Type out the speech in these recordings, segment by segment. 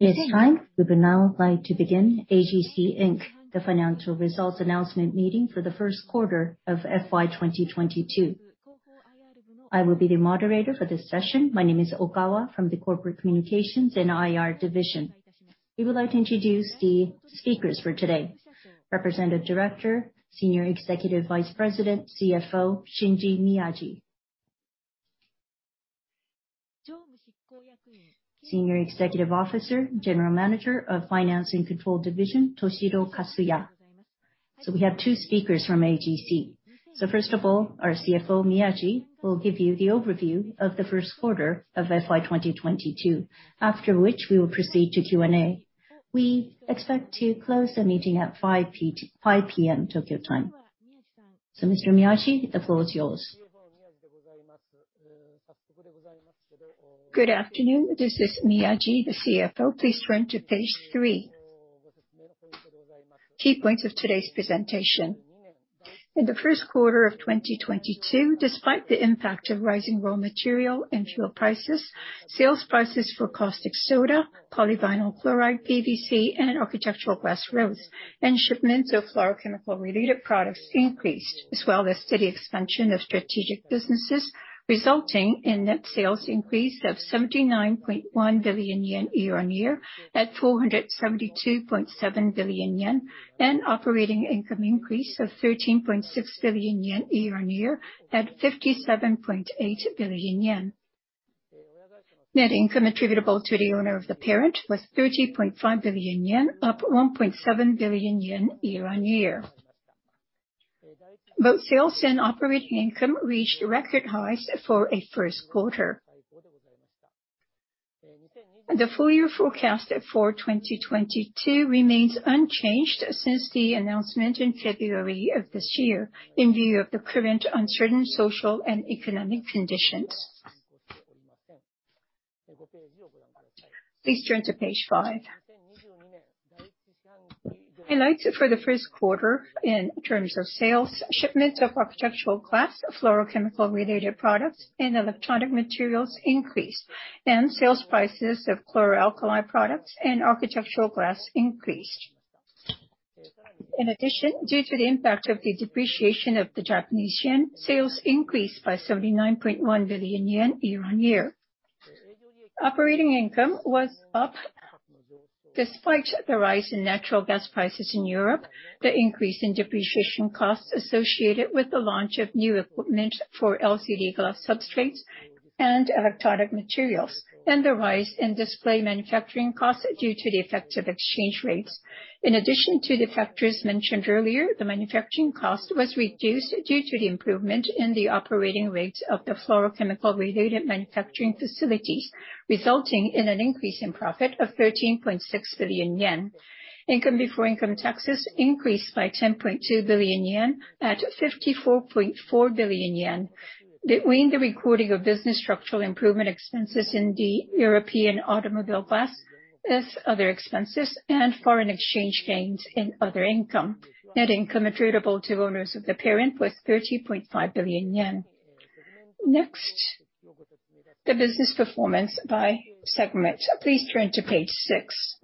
It is time. We would now like to begin AGC Inc, the financial results announcement meeting for the first quarter of FY 2022. I will be the moderator for this session. My name is Chikako Ogawa from the Corporate Communications & IR Division. We would like to introduce the speakers for today. Representative Director, Senior Executive Vice President, CFO Shinji Miyaji. Senior Executive Officer, General Manager of Finance & Control Division, Toshiro Kasuya. We have two speakers from AGC. First of all, our CFO, Miyaji, will give you the overview of the first quarter of FY 2022, after which we will proceed to Q&A. We expect to close the meeting at 5:00 P.M. Tokyo time. Mr. Miyaji, the floor is yours. Good afternoon. This is Miyaji, the CFO. Please turn to page three. Key points of today's presentation. In the first quarter of 2022, despite the impact of rising raw material and fuel prices, sales prices for caustic soda, polyvinyl chloride, PVC, and architectural glass rose, and shipments of fluorochemical-related products increased, as well as steady expansion of strategic businesses, resulting in net sales increase of 79.1 billion yen year-on-year at 472.7 billion yen, and operating income increase of 13.6 billion yen year-on-year at 57.8 billion yen. Net income attributable to the owner of the parent was 30.5 billion yen, up 1.7 billion yen year-on-year. Both sales and operating income reached record highs for a first quarter. The full year forecast for 2022 remains unchanged since the announcement in February of this year in view of the current uncertain social and economic conditions. Please turn to page five. Highlights for the first quarter in terms of sales. Shipments of architectural glass, fluorochemical-related products, and electronic materials increased, and sales prices of chloralkali products and architectural glass increased. In addition, due to the impact of the depreciation of the Japanese yen, sales increased by 79.1 billion yen year-on-year. Operating income was up despite the rise in natural gas prices in Europe, the increase in depreciation costs associated with the launch of new equipment for LCD glass substrates and electronic materials, and the rise in display manufacturing costs due to the effects of exchange rates. In addition to the factors mentioned earlier, the manufacturing cost was reduced due to the improvement in the operating rates of the fluorochemical-related manufacturing facilities, resulting in an increase in profit of 13.6 billion yen. Income before income taxes increased by 10.2 billion-54.4 billion yen between the recording of business structural improvement expenses in the European automobile glass as other expenses and foreign exchange gains in other income. Net income attributable to owners of the parent was 30.5 billion yen. Next, the business performance by segment. Please turn to page six.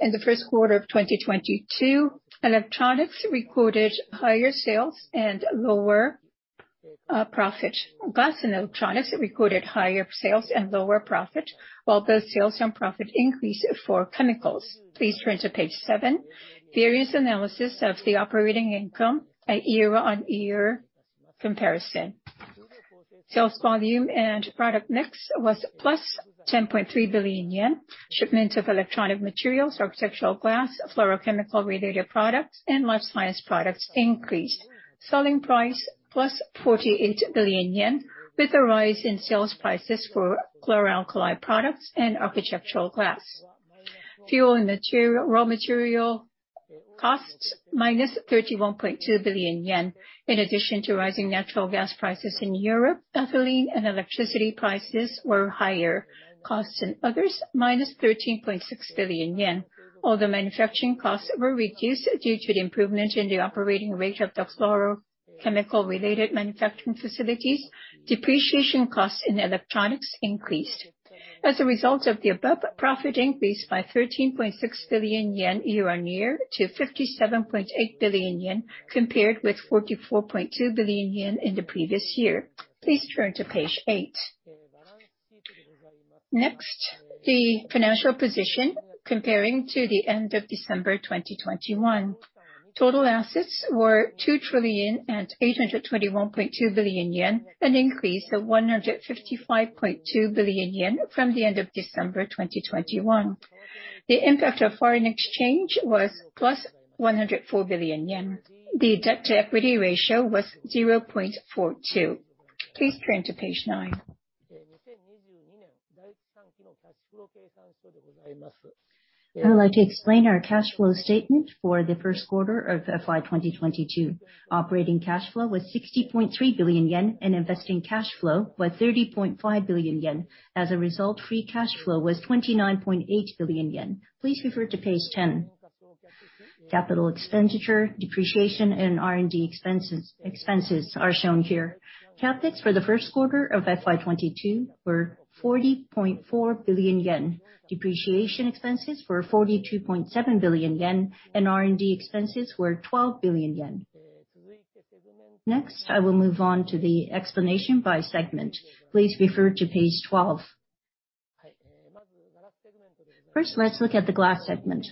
In the first quarter of 2022, glass and electronics recorded higher sales and lower profit, while both sales and profit increased for chemicals. Please turn to page seven. Variance analysis of the operating income, a year-on-year comparison. Sales volume and product mix was +10.3 billion yen. Shipment of electronic materials, architectural glass, fluorochemical-related products, and life science products increased. Selling price +48 billion yen with a rise in sales prices for chloralkali products and architectural glass. Fuel and raw material costs -31.2 billion yen. In addition to rising natural gas prices in Europe, ethylene and electricity prices were higher. Costs and others, -13.6 billion yen. Although manufacturing costs were reduced due to the improvement in the operating rate of the fluorochemical-related manufacturing facilities, depreciation costs in electronics increased. As a result of the above, profit increased by 13.6 billion yen year-on-year to 57.8 billion yen, compared with 44.2 billion yen in the previous year. Please turn to page eight. Next, the financial position compared to the end of December 2021. Total assets were 2,821.2 billion yen, an increase of 155.2 billion yen from the end of December 2021. The impact of foreign exchange was +104 billion yen. The debt-to-equity ratio was 0.42. Please turn to page nine. I would like to explain our cash flow statement for the first quarter of FY 2022. Operating cash flow was 60.3 billion yen, and investing cash flow was 30.5 billion yen. As a result, free cash flow was 29.8 billion yen. Please refer to page 10. Capital expenditure, depreciation, and R&D expenses are shown here. CapEx for the first quarter of FY 2022 were 40.4 billion yen. Depreciation expenses were 42.7 billion yen, and R&D expenses were 12 billion yen. Next, I will move on to the explanation by segment. Please refer to page 12. First, let's look at the glass segment.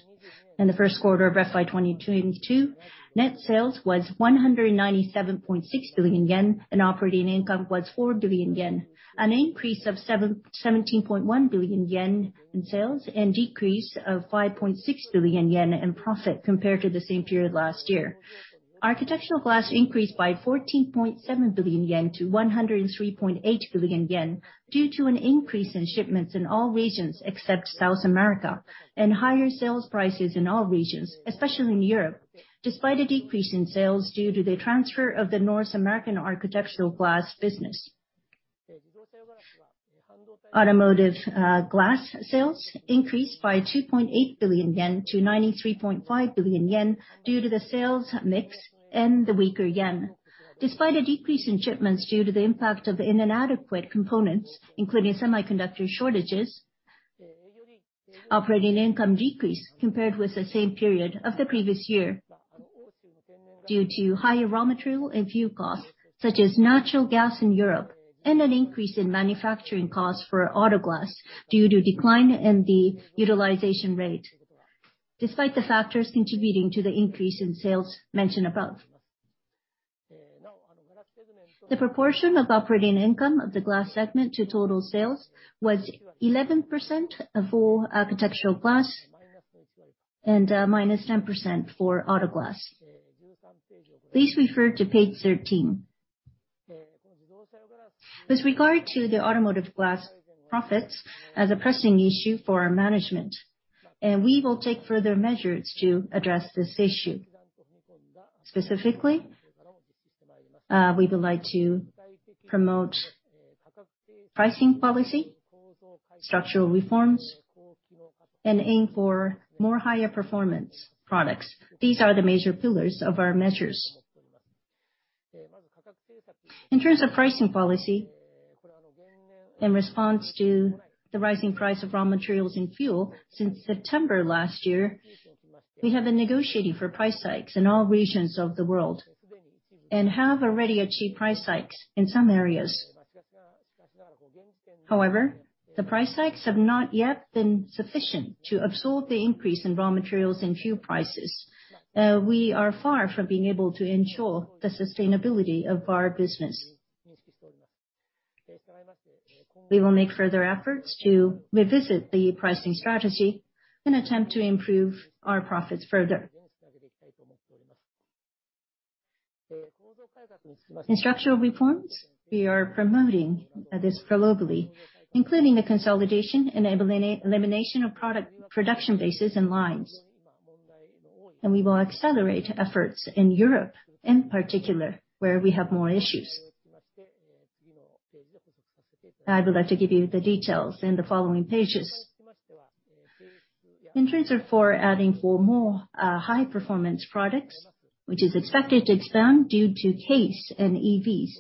In the first quarter of FY 2022, net sales was 197.6 billion yen, and operating income was 4 billion yen, an increase of 17.1 billion yen in sales, and decrease of 5.6 billion yen in profit compared to the same period last year. Architectural glass increased by 14.7 billion yen to 103.8 billion yen due to an increase in shipments in all regions except South America, and higher sales prices in all regions, especially in Europe, despite a decrease in sales due to the transfer of the North American architectural glass business. Automotive glass sales increased by 2.8 billion-93.5 billion yen due to the sales mix and the weaker yen, despite a decrease in shipments due to the impact of inadequate components, including semiconductor shortages. Operating income decreased compared with the same period of the previous year due to higher raw material and fuel costs, such as natural gas in Europe, and an increase in manufacturing costs for auto glass due to decline in the utilization rate, despite the factors contributing to the increase in sales mentioned above. The proportion of operating income of the glass segment to total sales was 11% for architectural glass and, minus 10% for auto glass. Please refer to page 13. With regard to the automotive glass profits as a pressing issue for our management, and we will take further measures to address this issue. Specifically, we would like to promote pricing policy, structural reforms, and aim for more higher performance products. These are the major pillars of our measures. In terms of pricing policy, in response to the rising price of raw materials and fuel since September last year, we have been negotiating for price hikes in all regions of the world and have already achieved price hikes in some areas. However, the price hikes have not yet been sufficient to absorb the increase in raw materials and fuel prices. We are far from being able to ensure the sustainability of our business. We will make further efforts to revisit the pricing strategy and attempt to improve our profits further. In structural reforms, we are promoting this globally, including the consolidation and elimination of product production bases and lines. We will accelerate efforts in Europe, in particular, where we have more issues. I would like to give you the details in the following pages. Investments are for adding more high performance products, which is expected to expand due to CASE and EVs.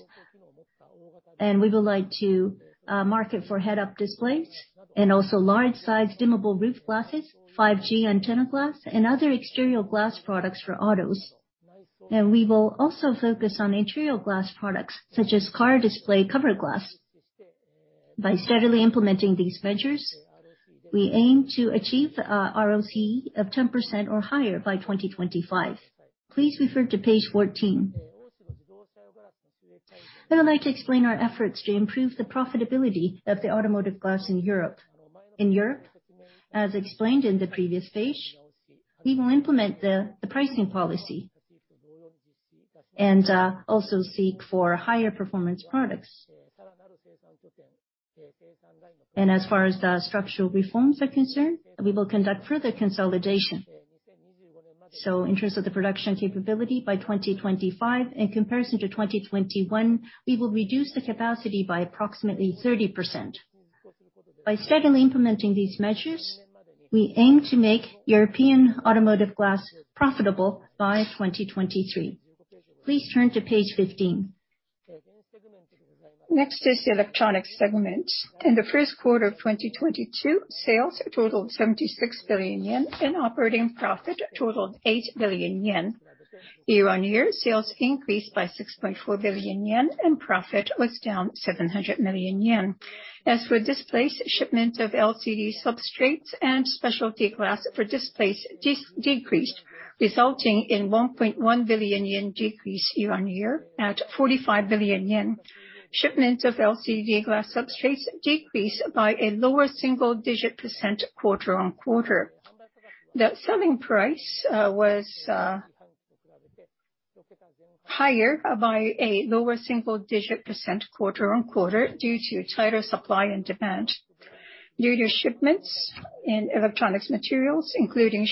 We would like to market for head-up displays and also large size dimmable roof glasses, 5G antenna glass, and other exterior glass products for autos. We will also focus on interior glass products, such as car display cover glass. By steadily implementing these measures, we aim to achieve ROCE of 10% or higher by 2025. Please refer to page 14. I would like to explain our efforts to improve the profitability of the automotive glass in Europe. In Europe, as explained in the previous page, we will implement the pricing policy and also seek for higher performance products. As far as the structural reforms are concerned, we will conduct further consolidation. In terms of the production capability, by 2025, in comparison to 2021, we will reduce the capacity by approximately 30%. By steadily implementing these measures, we aim to make European automotive glass profitable by 2023. Please turn to page 15. Next is the electronics segment. In the first quarter of 2022, sales totaled 76 billion yen, and operating profit totaled 8 billion yen. Year-on-year, sales increased by 6.4 billion yen, and profit was down 700 million yen. As for displays, shipments of LCD substrates and specialty glass for displays decreased, resulting in 1.1 billion yen decrease year-on-year at 45 billion yen. Shipments of LCD glass substrates decreased by a lower single-digit percent quarter-on-quarter. The selling price was higher by a lower single-digit percent quarter-on-quarter due to tighter supply and demand. Due to shipments in electronics materials, including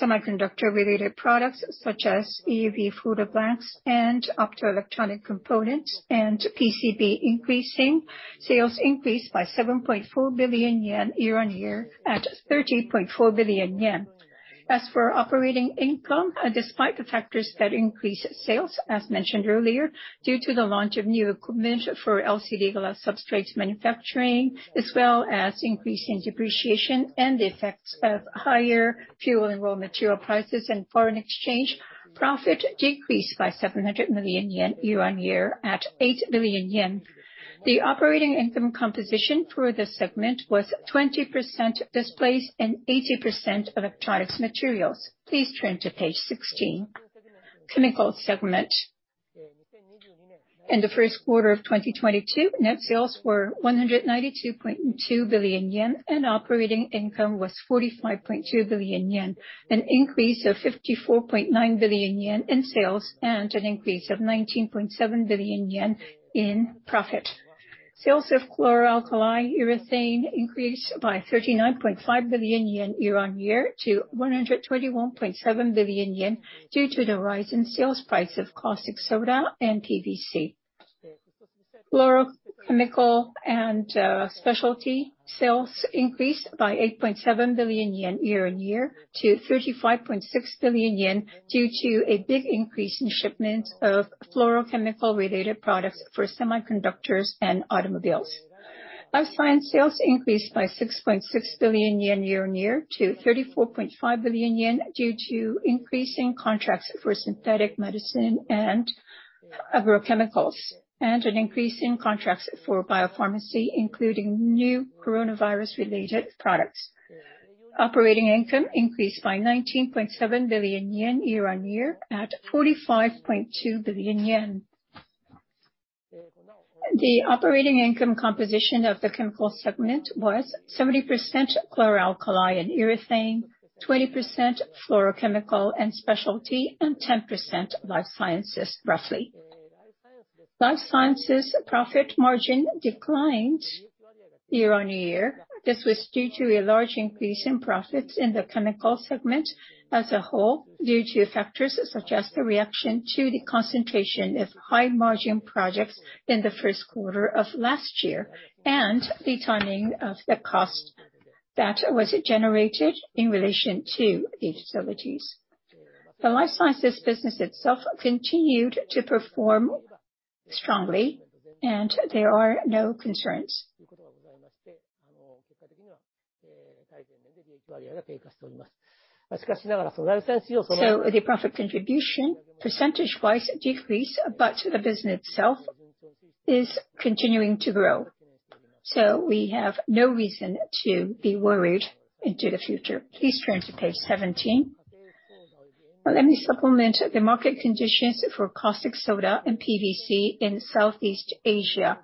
semiconductor-related products such as EUV mask blanks and optoelectronic components and PCB increasing, sales increased by 7.4 billion yen year-on-year to 13.4 billion yen. As for operating income, despite the factors that increased sales, as mentioned earlier, due to the launch of new equipment for LCD glass substrate manfacturing, as well as increasing depreciation and the effects of higher fuel and raw material prices and foreign exchange, profit decreased by 700 million yen year-on-year to 8 billion yen. The operating income composition for this segment was 20% displays and 80% electronics materials. Please turn to page 16. Chemical segment. In the first quarter of 2022, net sales were 192.2 billion yen, and operating income was 45.2 billion yen, an increase of 54.9 billion yen in sales and an increase of 19.7 billion yen in profit. Sales of chloralkali urethane increased by 39.5 billion yen year-on-year to 121.7 billion yen due to the rise in sales price of caustic soda and PVC. Fluorochemical and specialty sales increased by 8.7 billion yen year-on-year to 35.6 billion yen due to a big increase in shipments of fluorochemical related products for semiconductors and automobiles. Life Sciences sales increased by 6.6 billion yen year-on-year to 34.5 billion yen due to increasing contracts for synthetic pharmaceuticals and agrochemicals, and an increase in contracts for biopharma, including new coronavirus related products. Operating income increased by 19.7 billion yen year-on-year at 45.2 billion yen. The operating income composition of the chemical segment was 70% chloralkali and urethane, 20% fluorochemical and specialty, and 10% life sciences, roughly. Life sciences profit margin declined year-on-year. This was due to a large increase in profits in the chemical segment as a whole due to factors such as the reaction to the concentration of high margin projects in the first quarter of last year, and the timing of the cost that was generated in relation to these facilities. The life sciences business itself continued to perform strongly, and there are no concerns. The profit contribution percentage-wise decreased, but the business itself is continuing to grow. We have no reason to be worried into the future. Please turn to page 17. Let me supplement the market conditions for caustic soda and PVC in Southeast Asia.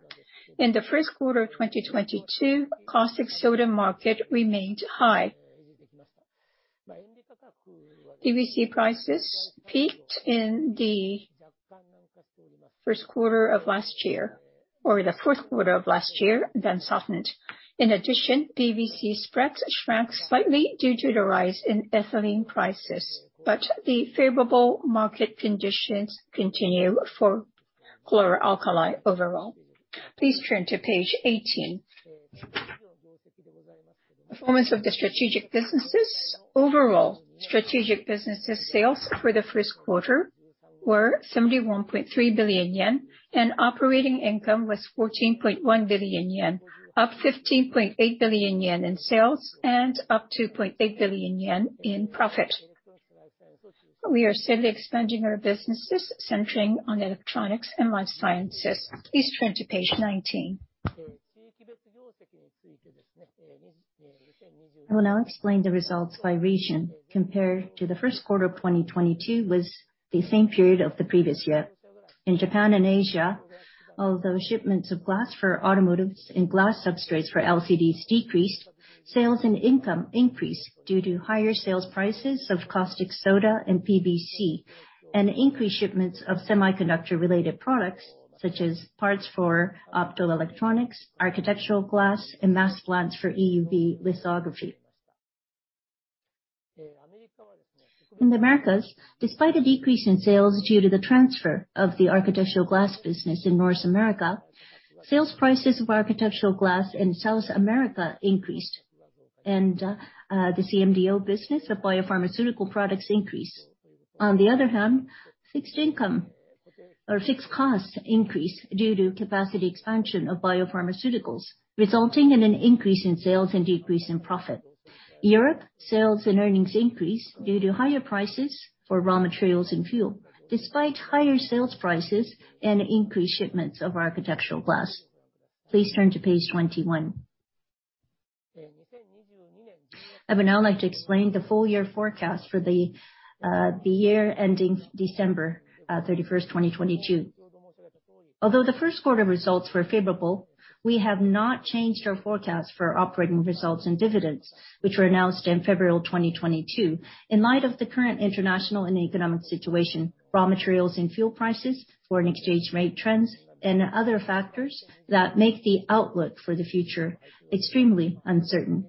In the first quarter of 2022, caustic soda market remained high. PVC prices peaked in the first quarter of last year, or the fourth quarter of last year, then softened. In addition, PVC spreads shrank slightly due to the rise in ethylene prices. The favorable market conditions continue for chloralkali overall. Please turn to page 18. Performance of the strategic businesses. Overall, strategic businesses sales for the first quarter were 71.3 billion yen, and operating income was 14.1 billion yen, up 15.8 billion yen in sales, and up 2.8 billion yen in profit. We are steadily expanding our businesses centering on electronics and life sciences. Please turn to page 19. I will now explain the results by region compared to the first quarter of 2022 with the same period of the previous year. In Japan and Asia, although shipments of glass for automotives and glass substrates for LCDs decreased, sales and income increased due to higher sales prices of caustic soda and PVC, and increased shipments of semiconductor related products such as parts for optoelectronics, architectural glass, and mask blanks for EUV lithography. In the Americas, despite a decrease in sales due to the transfer of the architectural glass business in North America, sales prices of architectural glass in South America increased, and the CDMO business of biopharmaceutical products increased. On the other hand, fixed income or fixed costs increased due to capacity expansion of biopharmaceuticals, resulting in an increase in sales and decrease in profit. Europe sales and earnings increased due to higher prices for raw materials and fuel, despite higher sales prices and increased shipments of architectural glass. Please turn to page 21. I would now like to explain the full year forecast for the year ending December 31, 2022. Although the first quarter results were favorable, we have not changed our forecast for operating results and dividends, which were announced in February 2022, in light of the current international and economic situation, raw materials and fuel prices, foreign exchange rate trends, and other factors that make the outlook for the future extremely uncertain.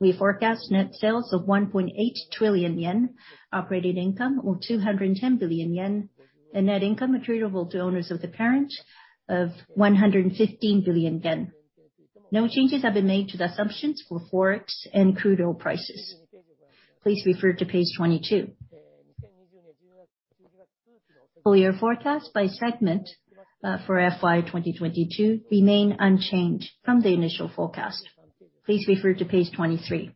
We forecast net sales of 1.8 trillion yen, operating income of 210 billion yen, and net income attributable to owners of the parent of 115 billion yen. No changes have been made to the assumptions for forex and crude oil prices. Please refer to page 22. Full year forecast by segment for FY 2022 remain unchanged from the initial forecast. Please refer to page 23.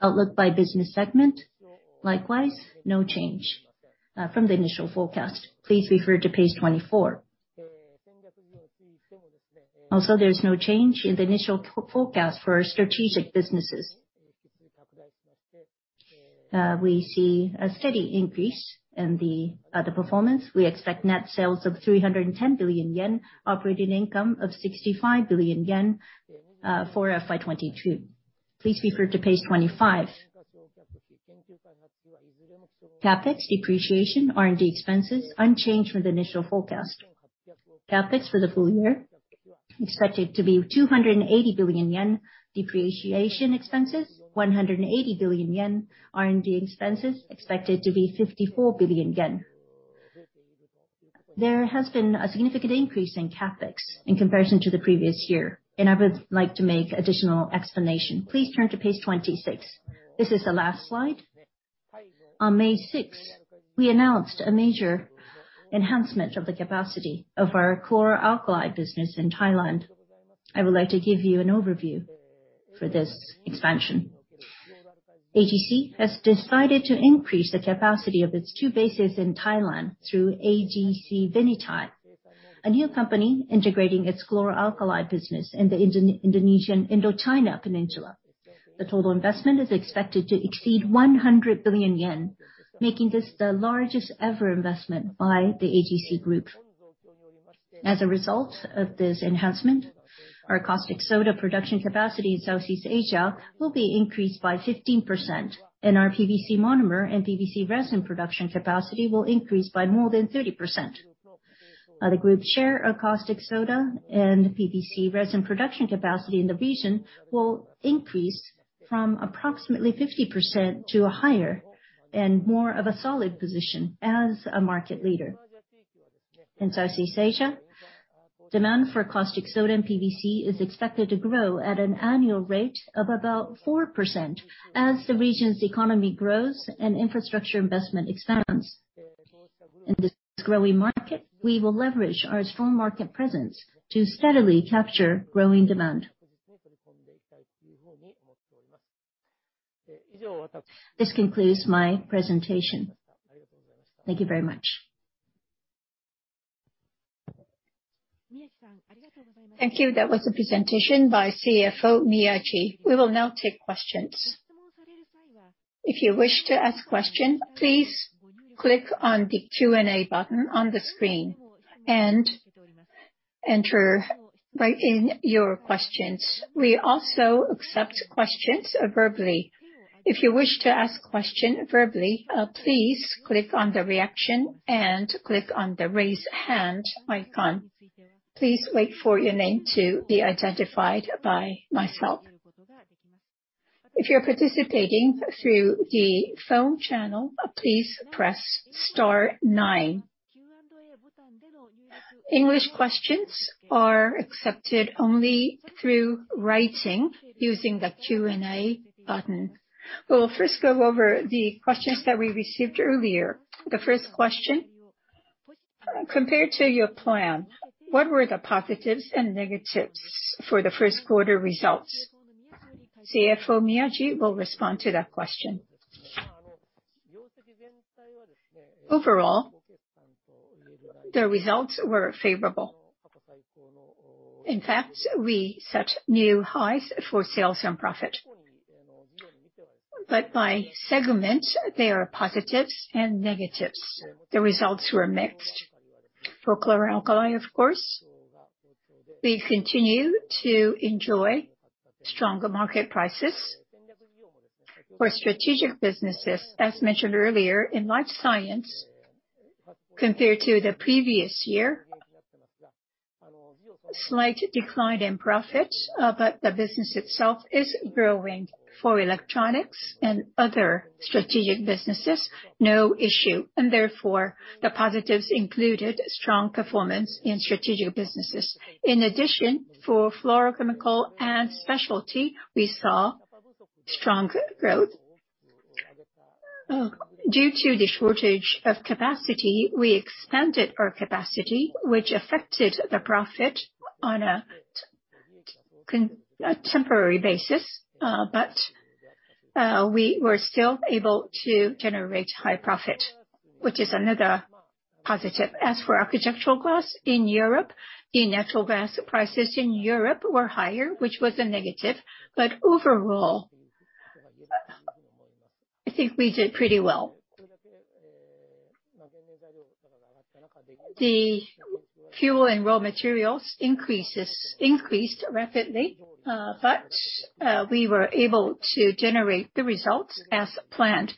Outlook by business segment, likewise, no change from the initial forecast. Please refer to page 24. Also, there's no change in the initial forecast for our strategic businesses. We see a steady increase in the performance. We expect net sales of 310 billion yen, operating income of 65 billion yen for FY 2022. Please refer to page 25. CapEx, depreciation, R&D expenses unchanged from the initial forecast. CapEx for the full year expected to be 280 billion yen. Depreciation expenses, 180 billion yen. R&D expenses expected to be 54 billion yen. There has been a significant increase in CapEx in comparison to the previous year, and I would like to make additional explanation. Please turn to page 26. This is the last slide. On May 6, we announced a major enhancement of the capacity of our chloralkali business in Thailand. I would like to give you an overview for this expansion. AGC has decided to increase the capacity of its two bases in Thailand through AGC Vinythai, a new company integrating its chloralkali business in the Indochina Peninsula. The total investment is expected to exceed 100 billion yen, making this the largest ever investment by the AGC Group. As a result of this enhancement, our caustic soda production capacity in Southeast Asia will be increased by 15%, and our PVC monomer and PVC resin production capacity will increase by more than 30%. The group's share of caustic soda and PVC resin production capacity in the region will increase from approximately 50% to a higher and more of a solid position as a market leader. In Southeast Asia, demand for caustic soda and PVC is expected to grow at an annual rate of about 4% as the region's economy grows and infrastructure investment expands. In this growing market, we will leverage our strong market presence to steadily capture growing demand. This concludes my presentation. Thank you very much. Thank you. That was a presentation by CFO Miyaji. We will now take questions. If you wish to ask question, please click on the Q&A button on the screen and enter write in your questions. We also accept questions verbally. If you wish to ask question verbally, please click on the reaction and click on the Raise Hand icon. Please wait for your name to be identified by myself. If you're participating through the phone channel, please press star nine. English questions are accepted only through writing using the Q&A button. We will first go over the questions that we received earlier. The first question, compared to your plan, what were the positives and negatives for the first quarter results? CFO Miyaji will respond to that question. Overall, the results were favorable. In fact, we set new highs for sales and profit. By segment, there are positives and negatives. The results were mixed. For chloralkali, of course, we continue to enjoy stronger market prices. For strategic businesses, as mentioned earlier, in life science, compared to the previous year, slight decline in profit, but the business itself is growing. For electronics and other strategic businesses, no issue, and therefore, the positives included strong performance in strategic businesses. In addition, for fluorochemical and specialty, we saw strong growth. Due to the shortage of capacity, we expanded our capacity, which affected the profit on a temporary basis, but we were still able to generate high profit, which is another positive. As for architectural glass in Europe, the natural gas prices in Europe were higher, which was a negative. Overall, I think we did pretty well. The fuel and raw materials increased rapidly, but we were able to generate the results as planned.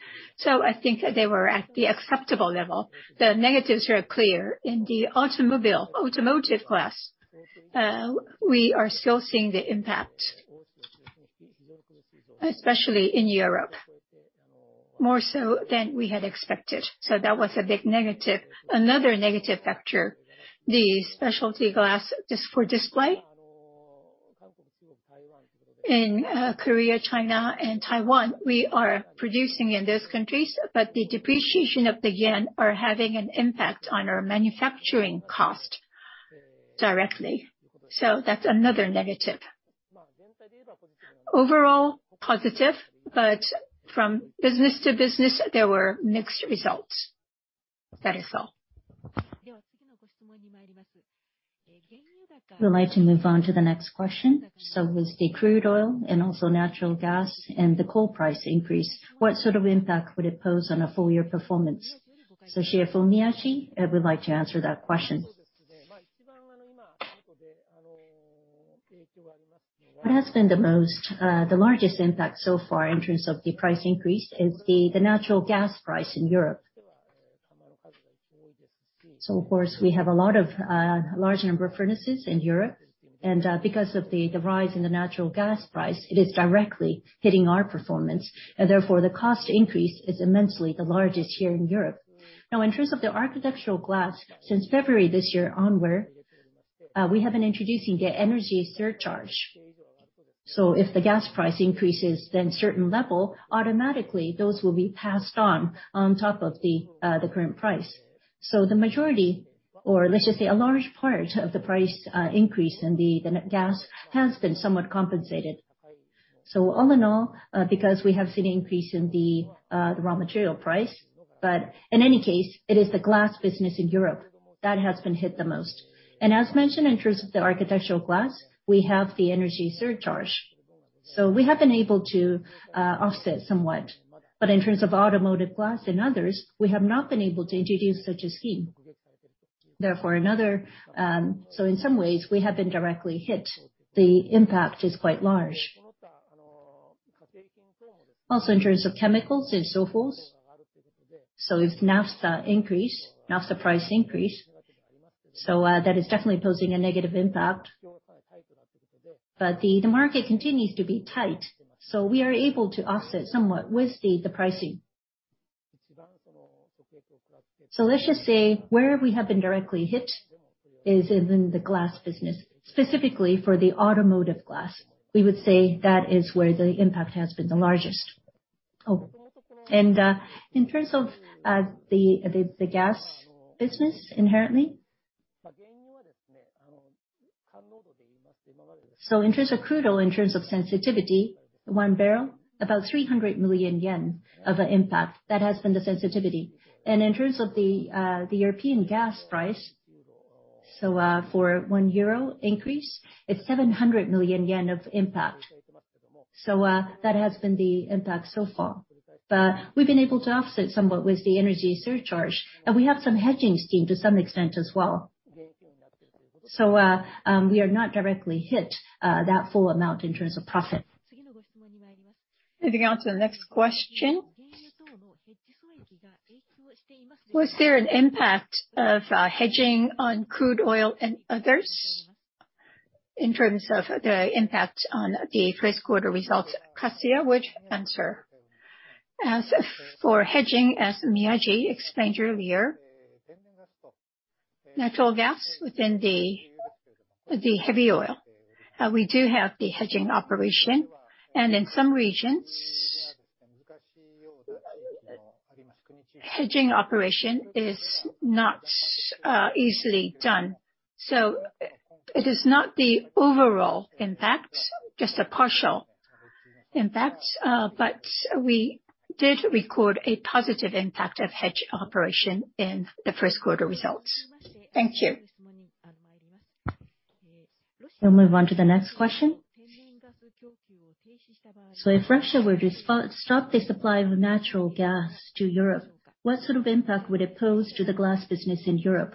I think they were at the acceptable level. The negatives are clear. In the automotive glass, we are still seeing the impact, especially in Europe. More so than we had expected, so that was a big negative. Another negative factor, the specialty glass for display. In Korea, China, and Taiwan, we are producing in those countries, but the depreciation of the yen are having an impact on our manufacturing cost directly. That's another negative. Overall, positive, but from business to business, there were mixed results. That is all. We'd like to move on to the next question. With the crude oil and also natural gas and the coal price increase, what sort of impact would it pose on a full year performance? CFO Miyaji would like to answer that question. What has been the most, the largest impact so far in terms of the price increase is the natural gas price in Europe. Of course, we have a lot of, large number of furnaces in Europe, and, because of the rise in the natural gas price, it is directly hitting our performance, and therefore, the cost increase is immensely the largest here in Europe. Now, in terms of the architectural glass, since February this year onward, we have been introducing the energy surcharge. If the gas price increases then certain level, automatically those will be passed on on top of the current price. The majority or let's just say a large part of the price increase in the gas has been somewhat compensated. All in all, because we have seen increase in the raw material price, but in any case, it is the glass business in Europe that has been hit the most. As mentioned, in terms of the architectural glass, we have the energy surcharge. We have been able to offset somewhat. In terms of automotive glass and others, we have not been able to introduce such a scheme. In some ways, we have been directly hit. The impact is quite large. Also, in terms of chemicals and so forth, if naphtha price increase, that is definitely posing a negative impact. The market continues to be tight, so we are able to offset somewhat with the pricing. Let's just say where we have been directly hit is in the glass business, specifically for the automotive glass. We would say that is where the impact has been the largest. In terms of the glass business inherently. In terms of crude oil, in terms of sensitivity, one barrel, about 300 million yen of impact. That has been the sensitivity. In terms of the European gas price, for one euro increase, it's 700 million yen of impact. That has been the impact so far. We've been able to offset somewhat with the energy surcharge, and we have some hedging scheme to some extent as well. We are not directly hit that full amount in terms of profit. Moving on to the next question. Was there an impact of hedging on crude oil and others in terms of the impact on the first quarter results? Kasuya would answer. As for hedging, as Miyaji explained earlier, natural gas within the heavy oil, we do have the hedging operation, and in some regions, hedging operation is not easily done. It is not the overall impact, just a partial impact, but we did record a positive impact of hedge operation in the first quarter results. Thank you. We'll move on to the next question. If Russia were to stop the supply of natural gas to Europe, what sort of impact would it pose to the glass business in Europe?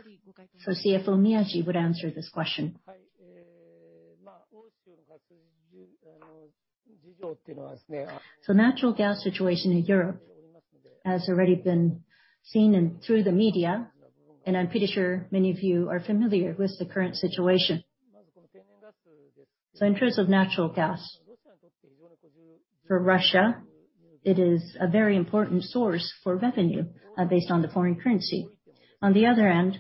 CFO Miyaji would answer this question. Natural gas situation in Europe has already been seen through the media, and I'm pretty sure many of you are familiar with the current situation. In terms of natural gas, for Russia, it is a very important source for revenue based on the foreign currency. On the other end,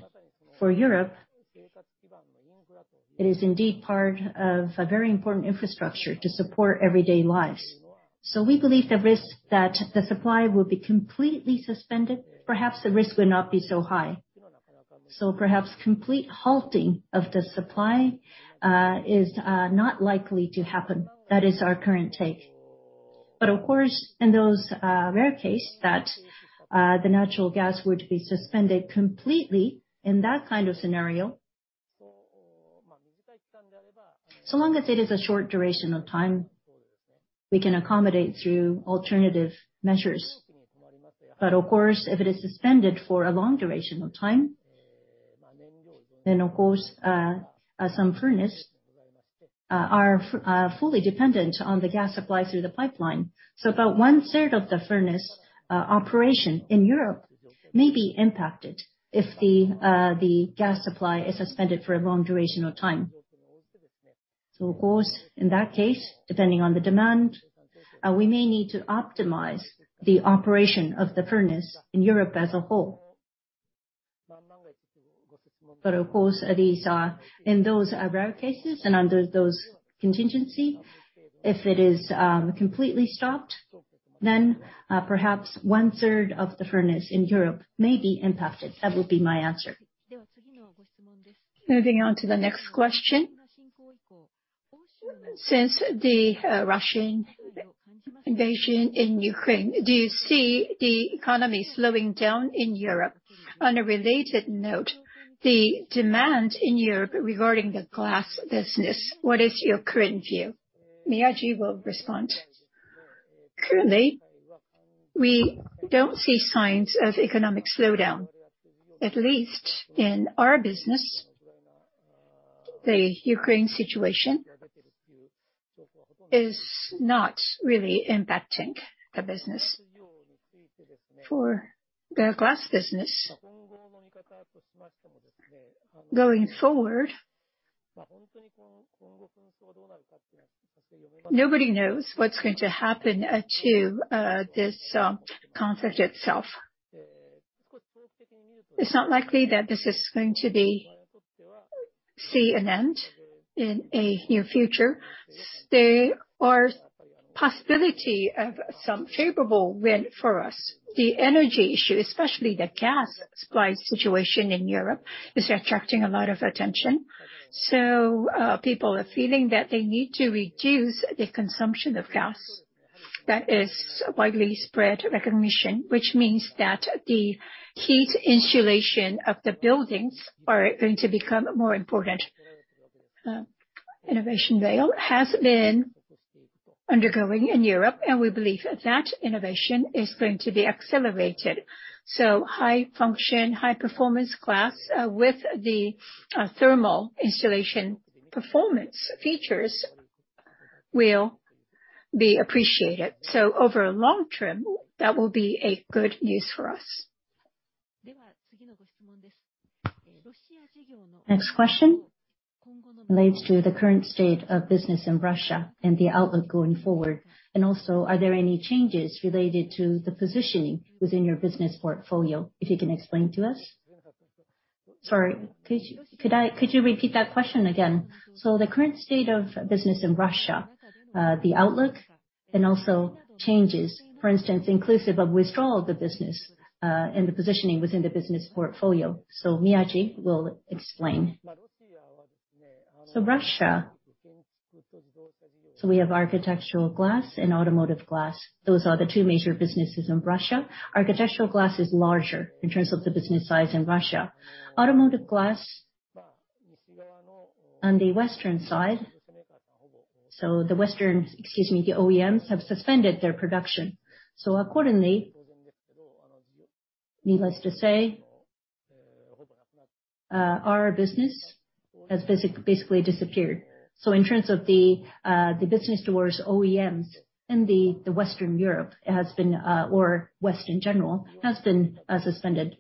for Europe, it is indeed part of a very important infrastructure to support everyday lives. We believe the risk that the supply will be completely suspended, perhaps the risk would not be so high. Perhaps complete halting of the supply is not likely to happen. That is our current take. Of course, in those rare case that the natural gas were to be suspended completely, in that kind of scenario, so long as it is a short duration of time, we can accommodate through alternative measures. Of course, if it is suspended for a long duration of time, then of course, some furnaces are fully dependent on the gas supply through the pipeline. About one-third of the furnace operation in Europe may be impacted if the gas supply is suspended for a long duration of time. Of course, in that case, depending on the demand, we may need to optimize the operation of the furnace in Europe as a whole. Of course, these are in those rare cases and under those contingencies, if it is completely stopped, then perhaps one third of the furnace in Europe may be impacted. That would be my answer. Moving on to the next question. Since the Russian invasion in Ukraine, do you see the economy slowing down in Europe? On a related note, the demand in Europe regarding the glass business, what is your current view? Miyaji will respond. Currently, we don't see signs of economic slowdown. At least in our business, the Ukraine situation is not really impacting the business. For the glass business, going forward, nobody knows what's going to happen to this conflict itself. It's not likely that this is going to see an end in a near future. There are possibility of some favorable win for us. The energy issue, especially the gas supply situation in Europe, is attracting a lot of attention. People are feeling that they need to reduce the consumption of gas. That is widely spread recognition, which means that the heat insulation of the buildings are going to become more important. Renovation Wave has been undergoing in Europe, and we believe that innovation is going to be accelerated. High function, high performance glass with the thermal insulation performance features will be appreciated. Over long term, that will be a good news for us. Next question relates to the current state of business in Russia and the outlook going forward. Also, are there any changes related to the positioning within your business portfolio? If you can explain to us. Sorry, could you repeat that question again? The current state of business in Russia, the outlook and also changes, for instance, inclusive of withdrawal of the business, and the positioning within the business portfolio. Miyaji will explain. Russia, we have architectural glass and automotive glass. Those are the two major businesses in Russia. Architectural glass is larger in terms of the business size in Russia. Automotive glass on the western side, the OEMs have suspended their production. Accordingly, needless to say, our business has basically disappeared. In terms of the business towards OEMs in Western Europe or west in general, it has been suspended.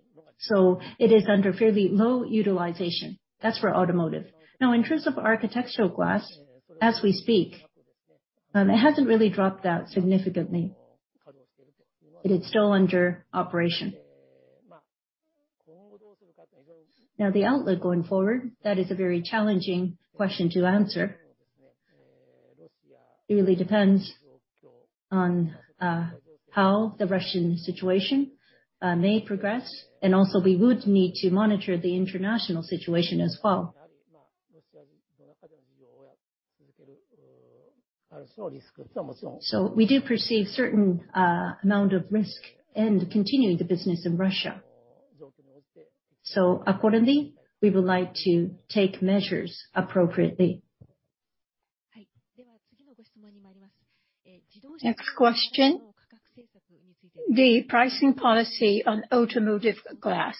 It is under fairly low utilization. That's for automotive. In terms of architectural glass, as we speak, it hasn't really dropped out significantly. It is still under operation. The outlook going forward, that is a very challenging question to answer. Really depends on how the Russian situation may progress, and also we would need to monitor the international situation as well. We do perceive certain amount of risk in continuing the business in Russia. Accordingly, we would like to take measures appropriately. Next question. The pricing policy on automotive glass,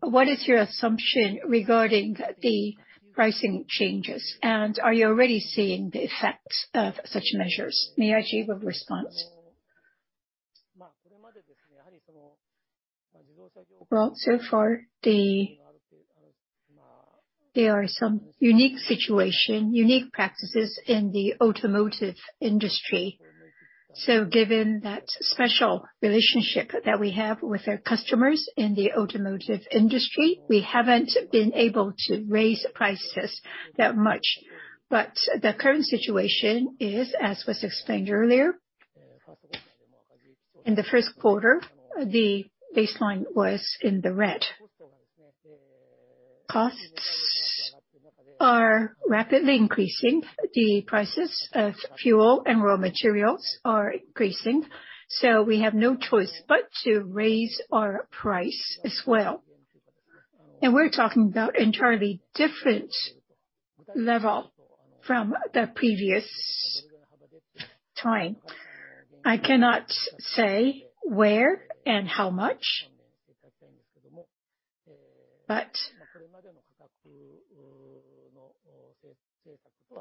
what is your assumption regarding the pricing changes, and are you already seeing the effects of such measures? Miyaji will respond. Well, so far, there are some unique situation, unique practices in the automotive industry. Given that special relationship that we have with our customers in the automotive industry, we haven't been able to raise prices that much. The current situation is, as was explained earlier, in the first quarter, the baseline was in the red. Costs are rapidly increasing. The prices of fuel and raw materials are increasing, so we have no choice but to raise our price as well. We're talking about entirely different level from the previous time. I cannot say where and how much, but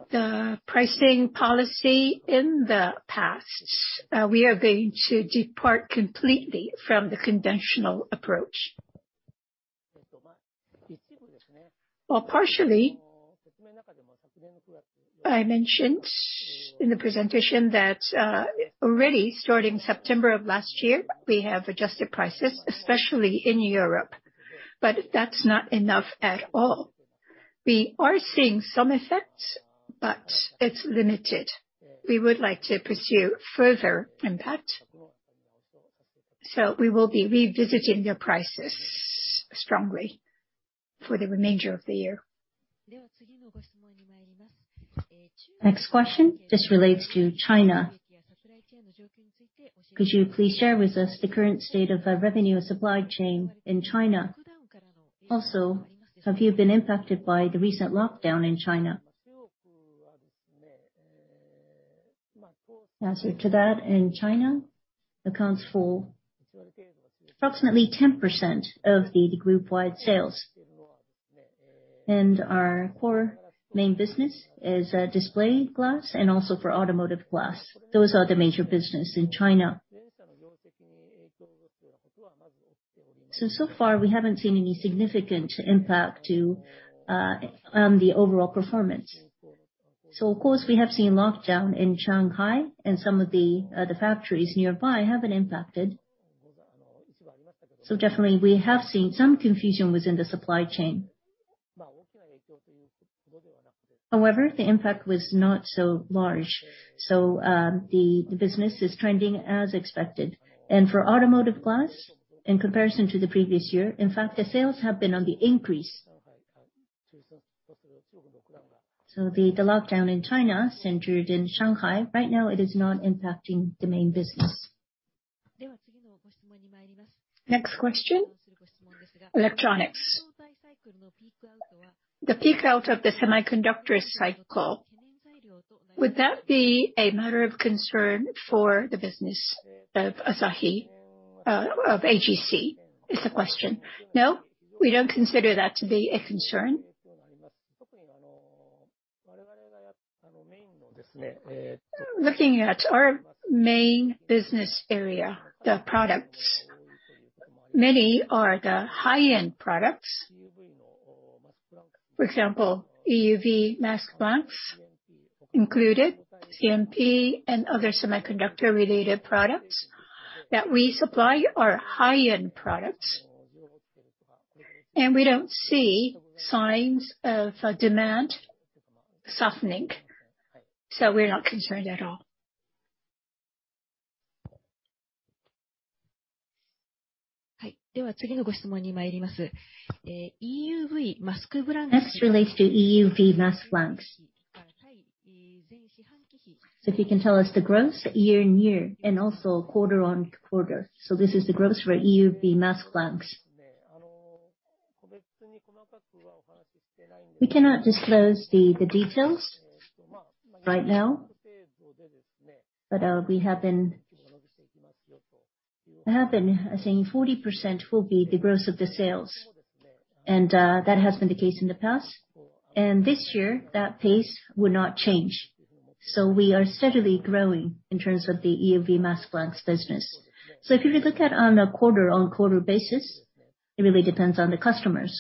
the pricing policy in the past, we are going to depart completely from the conventional approach. Well, partially. I mentioned in the presentation that, already starting September of last year, we have adjusted prices, especially in Europe, but that's not enough at all. We are seeing some effects, but it's limited. We would like to pursue further impact, so we will be revisiting the prices strongly for the remainder of the year. Next question. This relates to China. Could you please share with us the current state of the revenue, supply chain in China? Also, have you been impacted by the recent lockdown in China? Answer to that. China accounts for approximately 10% of the group-wide sales. Our core main business is display glass and also for automotive glass. Those are the major business in China. So far, we haven't seen any significant impact to the overall performance. Of course, we have seen lockdown in Shanghai and some of the factories nearby have been impacted. Definitely we have seen some confusion within the supply chain. However, the impact was not so large, the business is trending as expected. For automotive glass, in comparison to the previous year, in fact, the sales have been on the increase. The lockdown in China, centered in Shanghai, right now it is not impacting the main business. Next question, electronics. The peak out of the semiconductor cycle, would that be a matter of concern for the business of AGC, is the question. No, we don't consider that to be a concern. Looking at our main business area, the products, many are the high-end products. For example, EUV mask blanks included, CMP and other semiconductor-related products that we supply are high-end products. We don't see signs of demand softening, so we're not concerned at all. Next relates to EUV mask blanks. If you can tell us the growth year-over-year and also quarter-over-quarter. This is the growth for EUV mask blanks. We cannot disclose the details right now, but we have been saying 40% will be the growth of the sales, and that has been the case in the past. This year, that pace will not change. We are steadily growing in terms of the EUV mask blanks business. If you look at on a quarter-over-quarter basis, it really depends on the customers.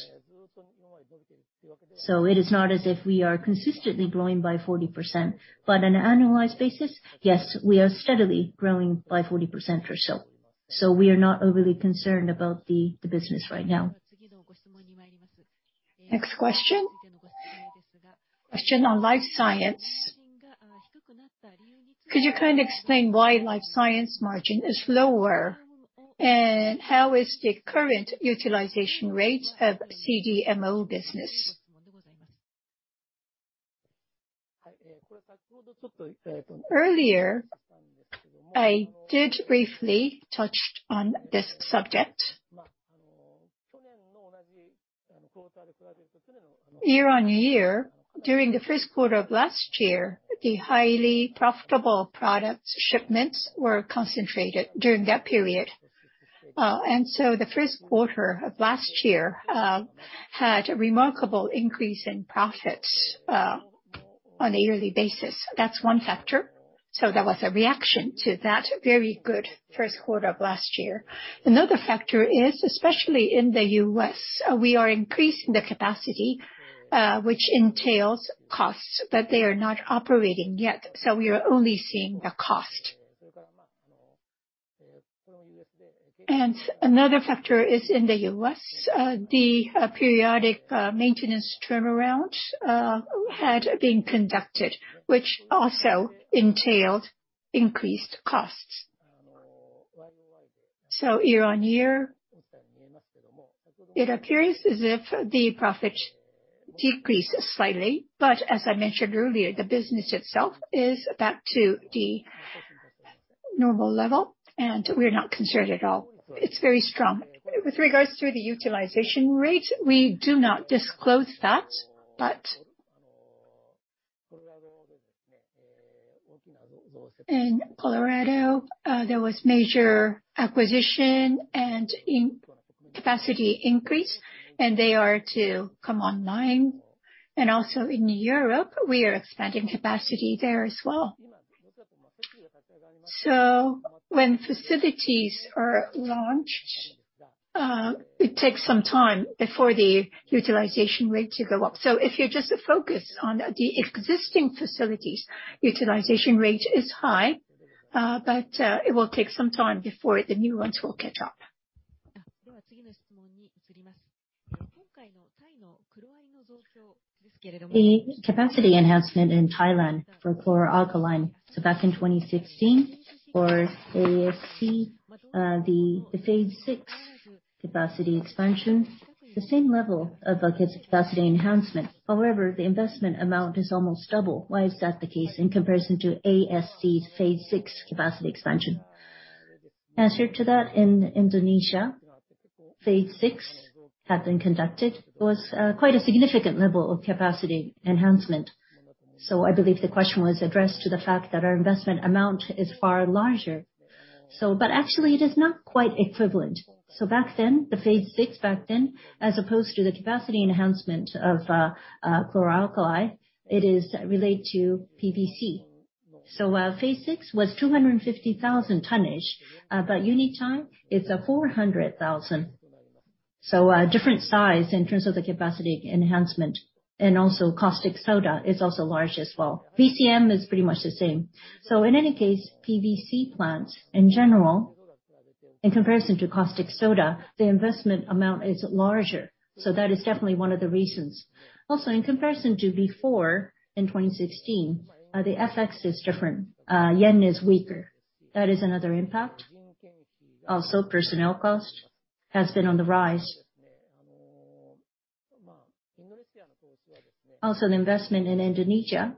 It is not as if we are consistently growing by 40%. On an annualized basis, yes, we are steadily growing by 40% or so. We are not overly concerned about the business right now. Next question. Question on life science. Could you kind of explain why life science margin is lower, and how is the current utilization rate of CDMO business? Earlier, I did briefly touched on this subject. Year-on-year, during the first quarter of last year, the highly profitable product shipments were concentrated during that period. The first quarter of last year had a remarkable increase in profits on a yearly basis. That's one factor. There was a reaction to that very good first quarter of last year. Another factor is, especially in the U.S., we are increasing the capacity, which entails costs, but they are not operating yet, so we are only seeing the cost. Another factor is in the U.S., the periodic maintenance turnaround had been conducted, which also entailed increased costs. Year-on-year, it appears as if the profits decreased slightly, but as I mentioned earlier, the business itself is back to the normal level, and we're not concerned at all. It's very strong. With regards to the utilization rate, we do not disclose that. In Colorado, there was major acquisition and capacity increase, and they are to come online. Also in Europe, we are expanding capacity there as well. When facilities are launched, it takes some time before the utilization rate to go up. If you just focus on the existing facilities, utilization rate is high, but it will take some time before the new ones will catch up. The capacity enhancement in Thailand for chloralkali, back in 2016 for ASC, the phase six capacity expansion, the same level of capacity enhancement. However, the investment amount is almost double. Why is that the case in comparison to ASC phase six capacity expansion? Answer to that, in Indonesia, phase six had been conducted. It was quite a significant level of capacity enhancement. I believe the question was addressed to the fact that our investment amount is far larger. Actually, it is not quite equivalent. Back then, the phase six, as opposed to the capacity enhancement of chloralkali, it is related to PVC. While phase six was 250,000 tonnage, but Vinythai, it's 400,000. A different size in terms of the capacity enhancement. Caustic soda is also large as well. VCM is pretty much the same. In any case, PVC plants in general, in comparison to caustic soda, the investment amount is larger. That is definitely one of the reasons. Also, in comparison to before in 2016, the FX is different. Yen is weaker. That is another impact. Also, personnel cost has been on the rise. Also, the investment in Indonesia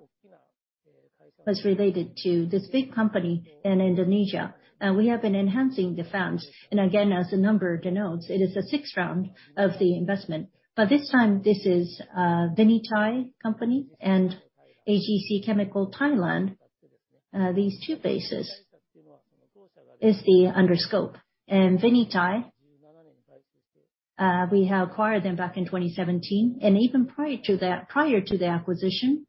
was related to this big company in Indonesia. We have been enhancing the funds. Again, as the number denotes, it is the sixth round of the investment. This time, this is Vinythai Company and AGC Chemicals Thailand. These two phases are under scope. Vinythai, we have acquired them back in 2017. Even prior to that, prior to the acquisition,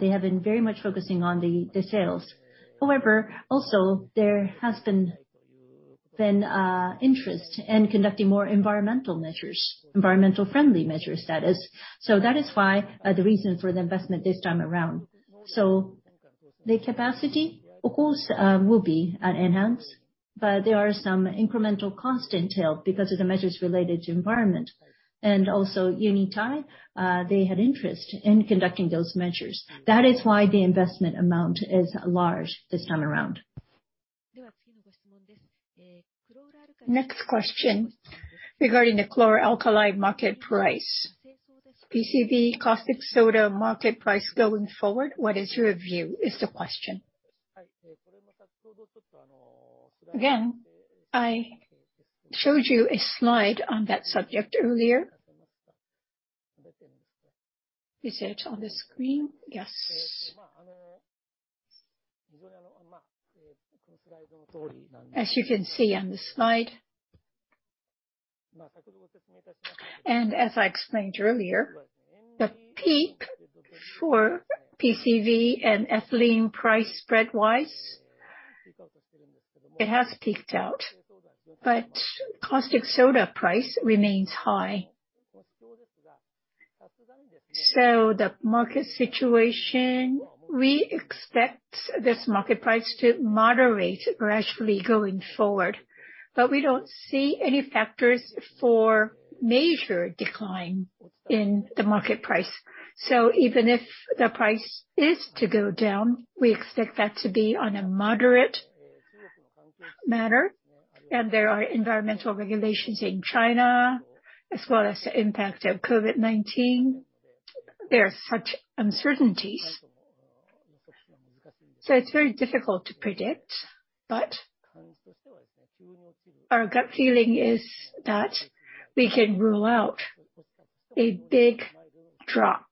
they have been very much focusing on the sales. However, also there has been interest in conducting more environmental measures, environmentally friendly measures, that is. That is why the reason for the investment this time around. The capacity of course will be enhanced, but there are some incremental cost entailed because of the measures related to environment. Also Vinythai, they had interest in conducting those measures. That is why the investment amount is large this time around. Next question regarding the chloralkali market price. PVC and caustic soda market price going forward, what is your view, is the question. Again, I showed you a slide on that subject earlier. Is it on the screen? Yes. As you can see on the slide, and as I explained earlier, the peak for PVC and ethylene price spread-wise, it has peaked out. Caustic soda price remains high. The market situation, we expect this market price to moderate gradually going forward. We don't see any factors for major decline in the market price. Even if the price is to go down, we expect that to be on a moderate manner. There are environmental regulations in China as well as the impact of COVID-19. There are such uncertainties, so it's very difficult to predict. Our gut feeling is that we can rule out a big drop.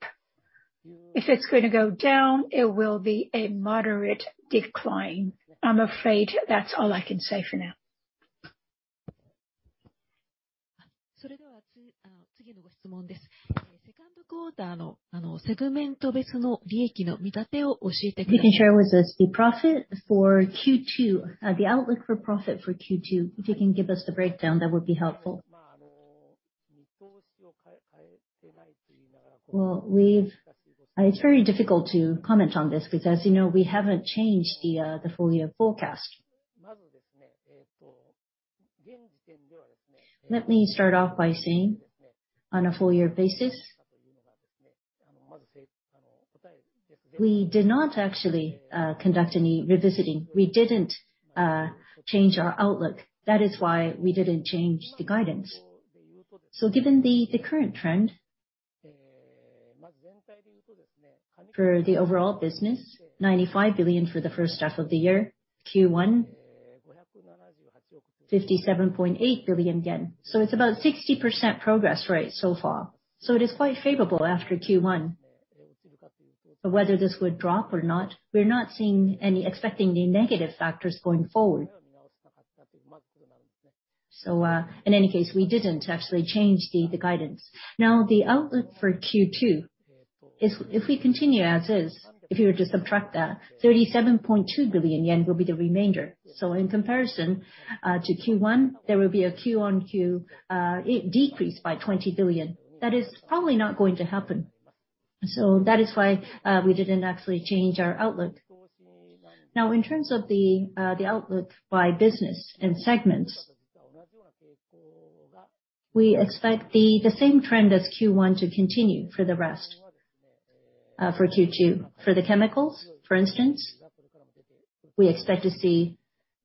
If it's gonna go down, it will be a moderate decline. I'm afraid that's all I can say for now. If you can share with us the profit for Q2, the outlook for profit for Q2. If you can give us the breakdown, that would be helpful. Well, it's very difficult to comment on this because as you know, we haven't changed the full year forecast. Let me start off by saying on a full year basis, we did not actually conduct any revisiting. We didn't change our outlook. That is why we didn't change the guidance. Given the current trend, for the overall business, 95 billion for the first half of the year, Q1, 57.8 billion yen. It's about 60% progress rate so far. It is quite favorable after Q1. Whether this would drop or not, we're not seeing or expecting any negative factors going forward. In any case, we didn't actually change the guidance. Now, the outlook for Q2 is if we continue as is, if you were to subtract that, 37.2 billion yen will be the remainder. In comparison to Q1, there will be a Q-on-Q, it decreased by 20 billion. That is probably not going to happen. That is why we didn't actually change our outlook. Now, in terms of the outlook by business and segments, we expect the same trend as Q1 to continue for the rest for Q2. For the chemicals, for instance, we expect to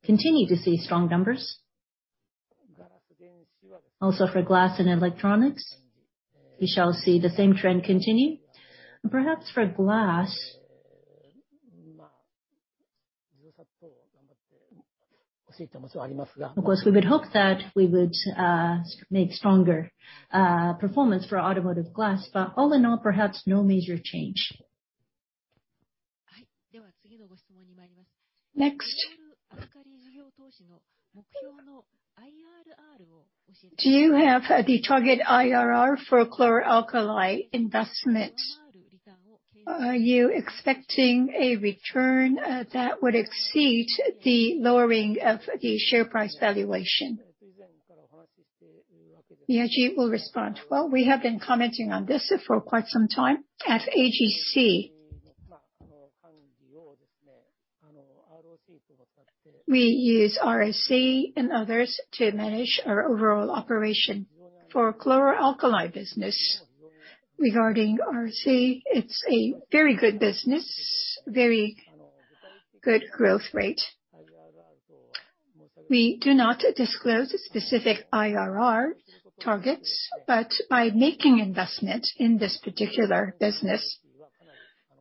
continue to see strong numbers. Also, for glass and electronics, we shall see the same trend continue. Perhaps for glass, of course, we would hope that we make stronger performance for automotive glass. All in all, perhaps no major change. Next. Do you have the target IRR for chloralkali investment? Are you expecting a return, that would exceed the lowering of the share price valuation? Miyaji will respond. Well, we have been commenting on this for quite some time. At AGC, we use ROCE and others to manage our overall operation. For chloralkali business, regarding ROCE, it's a very good business, very good growth rate. We do not disclose specific IRR targets, but by making investment in this particular business,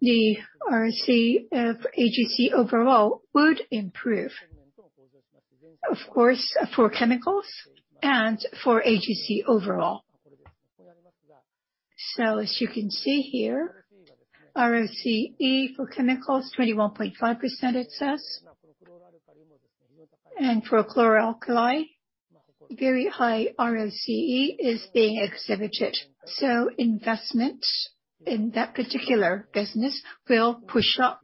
the ROCE of AGC overall would improve. Of course, for chemicals and for AGC overall. As you can see here, ROCE for chemicals, 21.5% excess. For chloralkali, very high ROCE is being exhibited. Investment in that particular business will push up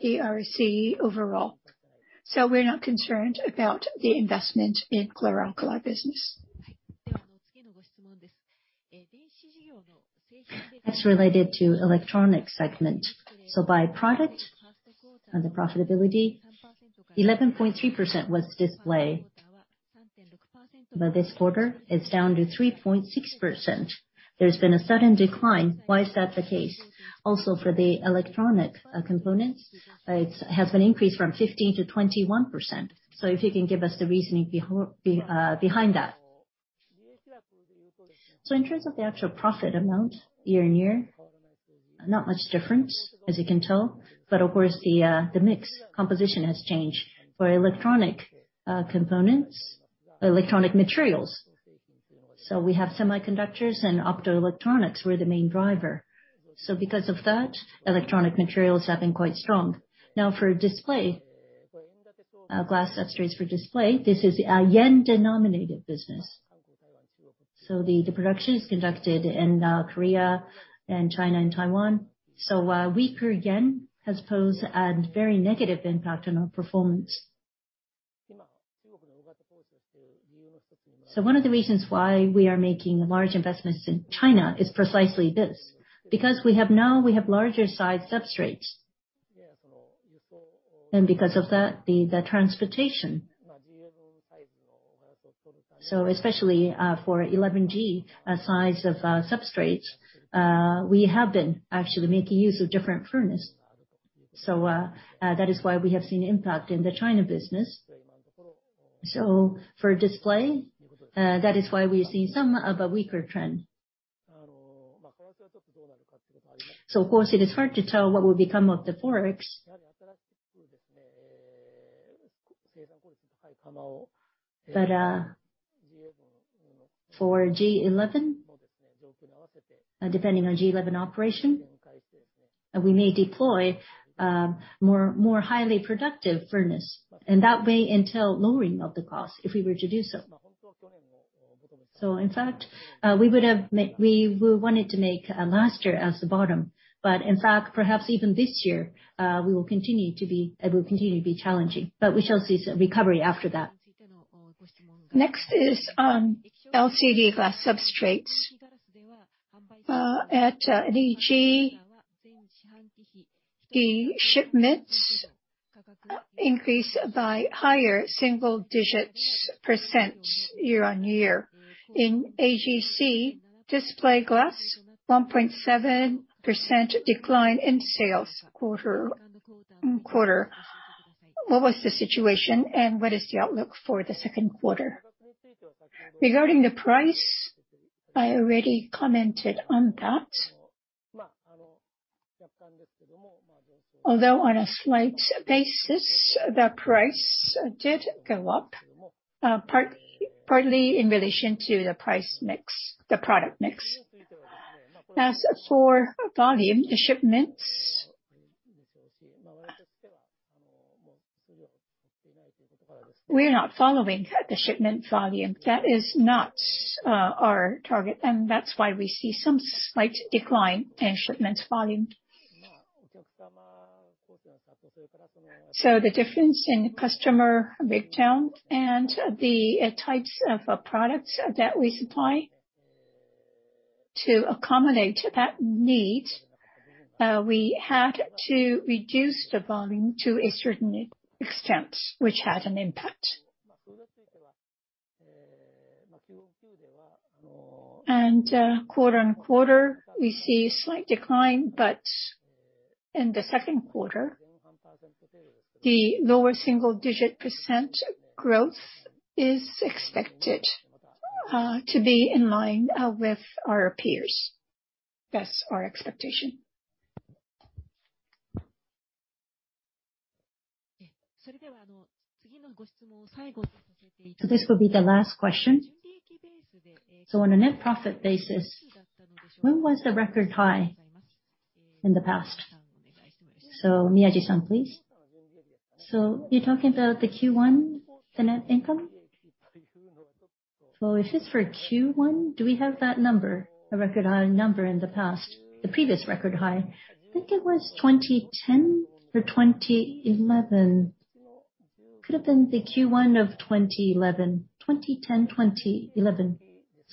the ROCE overall. We're not concerned about the investment in chloralkali business. That's related to Electronics segment. By product and the profitability, 11.3% was display. This quarter it's down to 3.6%. There's been a sudden decline. Why is that the case? Also, for the Electronics components, it has been increased from 15% to 21%. If you can give us the reasoning behind that. In terms of the actual profit amount year-on-year, not much difference, as you can tell. Of course the mix composition has changed. For Electronics components, electronic materials, we have semiconductors and optoelectronics were the main driver. Because of that, electronic materials have been quite strong. Now, for display glass substrates for display, this is a yen-denominated business. The production is conducted in Korea and China and Taiwan. A weaker yen has posed a very negative impact on our performance. One of the reasons why we are making large investments in China is precisely this. Because we now have larger size substrates. Because of that, the transportation. Especially, for Gen 11 size of substrates, we have been actually making use of different furnace. That is why we have seen impact in the China business. For display, that is why we're seeing some of a weaker trend. Of course it is hard to tell what will become of the Forex. For Gen 11, depending on Gen 11 operation, we may deploy more highly productive furnace. That way entail lowering of the cost if we were to do so. In fact, we wanted to make last year as the bottom. In fact, perhaps even this year, we will continue to be, it will continue to be challenging. We shall see some recovery after that. Next is on LCD glass substrates. At NEG, the shipments increased by higher single digits% year-on-year. In AGC, display glass, 1.7% decline in sales quarter-on-quarter. What was the situation, and what is the outlook for the second quarter? Regarding the price, I already commented on that. Although on a slight basis, the price did go up, partly in relation to the price mix, the product mix. As for volume, the shipments. We are not following the shipment volume. That is not our target, and that's why we see some slight decline in shipments volume. The difference in customer breakdown and the types of products that we supply. To accommodate that need, we had to reduce the volume to a certain extent, which had an impact. Quarter on quarter, we see a slight decline, but in the second quarter, the lower single-digit % growth is expected to be in line with our peers. That's our expectation. This will be the last question. On a net profit basis, when was the record high in the past? Miyaji-san, please. You're talking about the Q1, the net income? If it's for Q1, do we have that number, a record high number in the past, the previous record high? I think it was 2010 or 2011. Could have been the Q1 of 2011.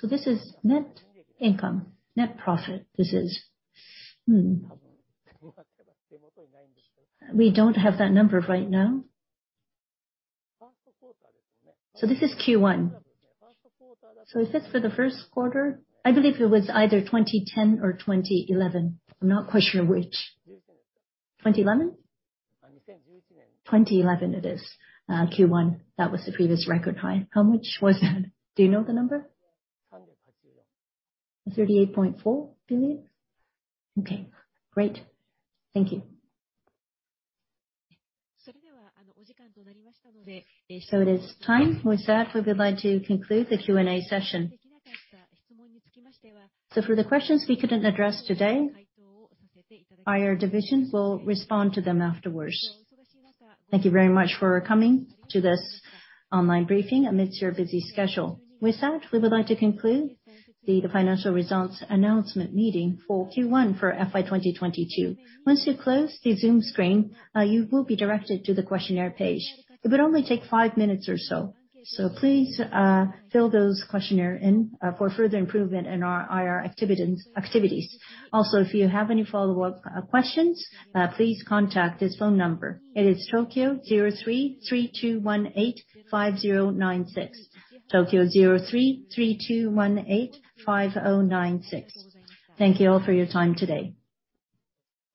This is net income, net profit. We don't have that number right now. This is Q1. If it's for the first quarter, I believe it was either 2010 or 2011. I'm not quite sure which. 2011 it is, Q1. That was the previous record high. How much was that? Do you know the number? 38.4, I believe. Okay, great. Thank you. It is time. With that, we would like to conclude the Q&A session. For the questions we couldn't address today, our divisions will respond to them afterwards. Thank you very much for coming to this online briefing amidst your busy schedule. With that, we would like to conclude the financial results announcement meeting for Q1 for FY 2022. Once you close the Zoom screen, you will be directed to the questionnaire page. It would only take 5 minutes or so please fill those questionnaire in for further improvement in our IR activities. Also, if you have any follow-up questions, please contact this phone number. It is Tokyo 03-3218-5096. Tokyo 03-3218-5096. Thank you all for your time today.